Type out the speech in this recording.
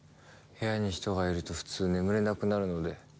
部屋に人がいると普通眠れなくなるので。